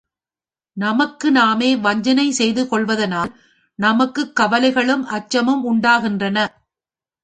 நமக்கு நாமே வஞ்சனை செய்து கொள்வதனால் நமக்குக் கவலைகளும் அச்சமும் உண்டாகின்றன.